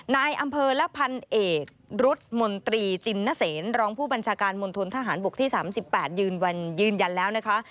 นายอำเภอและพันเอกรุฑมนตรีจินนเซนรองผู้บัญชาการมณฑนทหารบกที่๓๘ยืนยันแล้วนะคะ